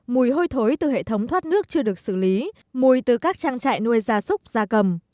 mùi hôi thối từ hệ thống thoát nước chưa được xử lý mùi từ các trang trại nuôi gia súc gia cầm